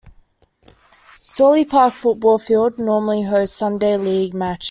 Storey Park football field normally hosts Sunday League matches.